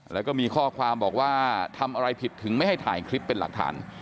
แล้วก็มีข้อความบอกว่าทำอะไรผิดถึงไม่ให้ถ่ายคลิปเป็นหลักฐาน